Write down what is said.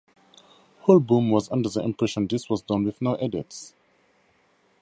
Hoolboom was under the impression this was done with no edits.